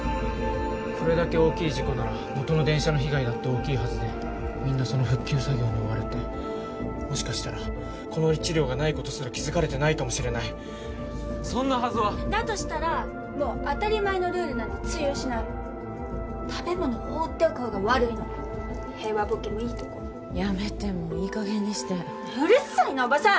これだけ大きい事故ならもとの電車の被害だって大きいはずでみんなその復旧作業に追われてもしかしたらこの１両がないことすら気づかれてないかもしれないそんなはずはだとしたらもう当たり前のルールなんて通用しない食べ物放っておくほうが悪いの平和ボケもいいとこやめてもういい加減にしてうるさいなおばさん！